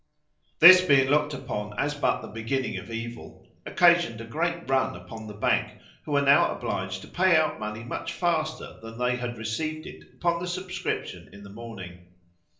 This being looked upon as but the beginning of evil, occasioned a great run upon the Bank, who were now obliged to pay out money much faster than they had received it upon the subscription in the morning.